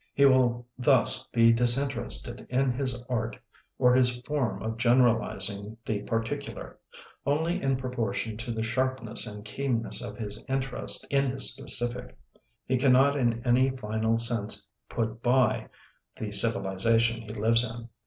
He will thus be disinterested in his art, or his form of generalizing the particular, only in proportion to the sharpness and keenness of his interest in the specific. He cannot in any final sense put by the civilization he lives in.